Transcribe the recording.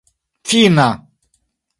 fina